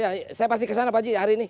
ya saya pasti kesana pak haji hari ini